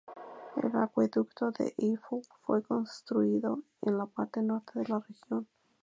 El acueducto de Eifel fue construido en la parte norte de la región.